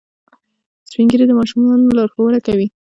سپین ږیری د ماشومانو لارښوونه کوي